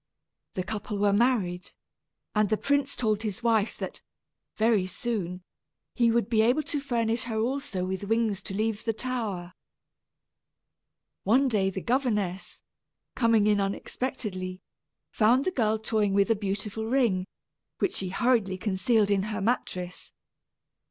The couple were married, and the prince told his wife that, very soon, he would be able to furnish her also with wings to leave the tower. One day the governess, coming in unexpectedly, found the girl toying with a beautiful ring, which she hurriedly concealed in her mattress.